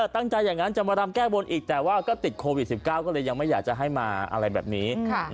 อย่างนั้นจะมารำแก้บนอีกแต่ว่าก็ติดโควิด๑๙ก็เลยยังไม่อยากจะให้มาอะไรแบบนี้